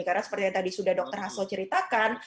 karena seperti yang tadi sudah dokter hasso ceritakan